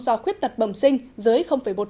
do khuyết tật bầm sinh dưới một